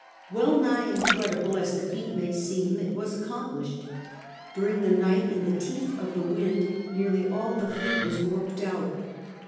Well nigh incredible as the feat may seem, it was accom plished. During the night, in the teeth of the wind, nearly all the fleet was wjwrped out.